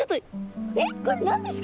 えっこれ何ですか？